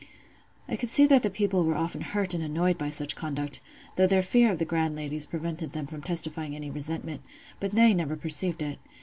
I could see that the people were often hurt and annoyed by such conduct, though their fear of the "grand ladies" prevented them from testifying any resentment; but they never perceived it.